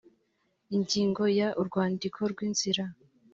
ingingo ya urwandiko rw inzira